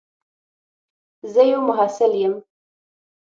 زه یو محصل یم.